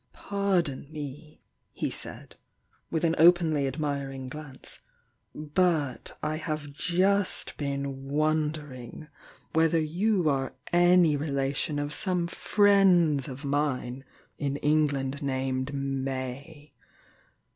"Pardon met" he said, with an openly admmng glance, "but I have just been wondering whether 256 THE YOUNG DIANA 207 you are any relation of some frienda of mine in England named May.